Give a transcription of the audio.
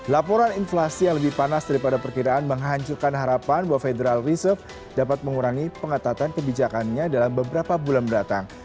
laporan inflasi yang lebih panas daripada perkiraan menghancurkan harapan bahwa federal reserve dapat mengurangi pengetatan kebijakannya dalam beberapa bulan mendatang